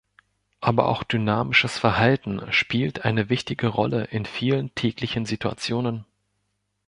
Aber auch dynamisches Verhalten spielt eine wichtige Rolle in vielen täglichen Situationen.